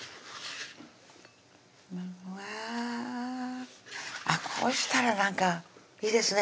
うわあっこうしたらなんかいいですね